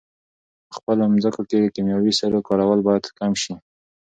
په خپلو مځکو کې د کیمیاوي سرو کارول باید کم شي.